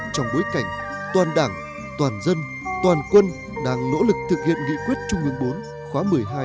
trong bối cảnh toàn đảng toàn dân toàn quân đang nỗ lực thực hiện nghị quyết trung ương bốn khóa một mươi hai